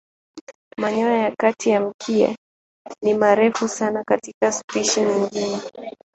Manyoya ya kati ya mkia ni marefu sana katika spishi nyingine.